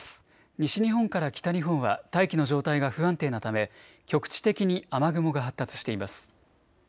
西日本から北日本は大気の状態が不安定なため局地的に雨雲が発達しています。